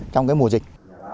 trong cái mùa dịch